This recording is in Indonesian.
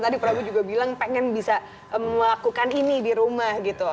tadi prabu juga bilang pengen bisa melakukan ini di rumah gitu